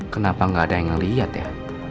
kenapa gak ada yang liat ya